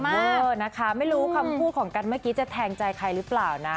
เออนะคะไม่รู้คำพูดของกันเมื่อกี้จะแทงใจใครหรือเปล่านะ